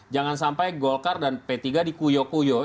jangan sampai golkar dan p tiga dikuyok kuyok